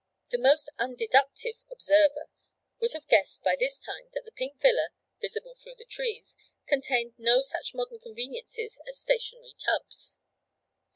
The most undeductive observer would have guessed by this time that the pink villa, visible through the trees, contained no such modern conveniences as stationary tubs.